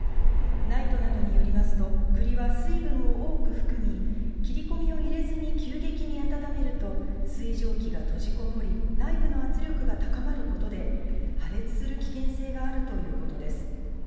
ＮＩＴＥなどによりますと、くりは水分を多く含み、切り込みを入れずに急激に温めると、水蒸気が閉じこもり、内部の圧力が高まることで破裂する危険性があるということです。